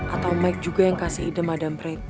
atau mike juga yang kasih ide madame pratt